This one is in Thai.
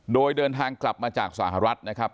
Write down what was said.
โดยเดินทางกลับมาจากสหรัฐนะครับ